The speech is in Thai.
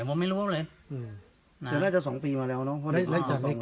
มาถูกว่าผมเป็นไปจับ